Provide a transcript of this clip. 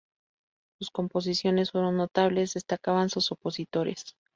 Sus composiciones fueron notables, destacaban sus opositores.